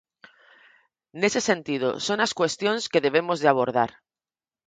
Nese sentido, son as cuestións que debemos de abordar.